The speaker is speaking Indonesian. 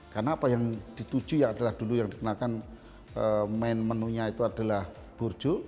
karena apa yang dituju adalah dulu yang dikenakan main menunya itu adalah burjo